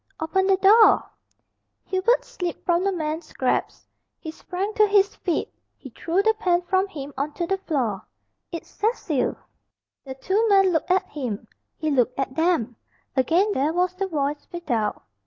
"Open the door!" Hubert slipped from the man's grasp. He sprang to his feet. He threw the pen from him on to the floor. "It's Cecil!" The two men looked at him. He looked at them. Again there was the voice without.